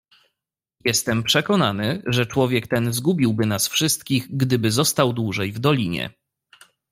"Jestem przekonany, że człowiek ten zgubiłby nas wszystkich, gdyby został dłużej w dolinie."